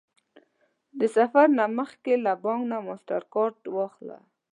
د سفر نه مخکې له بانک نه ماسټرکارډ واخله